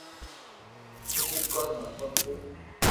বেশিক্ষণ না, বন্ধু।